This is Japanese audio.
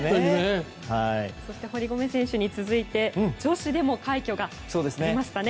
堀米選手に続いて女子でも快挙がありましたね。